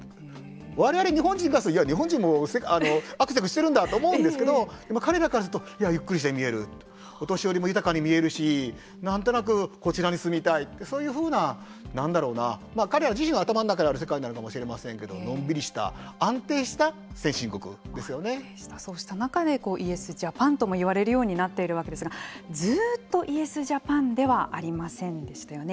我々日本人から言うと日本人もあくせくしてるんだと思うんですけれども彼らからするとゆっくりして見えるお年寄りも豊かに見えるし何となくこちらに住みたいってそういうふうな、彼ら自身の頭の中にある世界なのかもしれませんけどのんびりしたそうした中でイエスジャパンとも言われるようになっているわけですがずうっとイエスジャパンではありませんでしたよね。